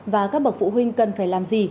và các bậc phụ huynh cần phải làm gì